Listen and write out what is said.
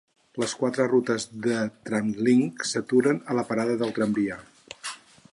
Les quatre rutes de Tramlink s'aturen a la parada de tramvia.